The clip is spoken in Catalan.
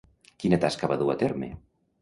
Quina tasca va dur a terme?